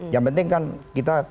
yang penting kan kita